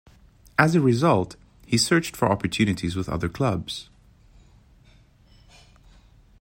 As a result, he searched for opportunities with other clubs.